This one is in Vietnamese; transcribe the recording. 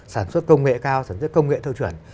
sản xuất công nghệ cao sản xuất công nghệ theo chuẩn